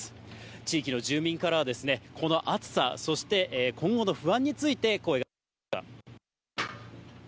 地域の住民からは、この暑さ、そして今後の不安について声が聞かれました。